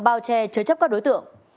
bao che chế chấp các đối tượng